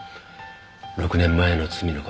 ６年前の罪の事。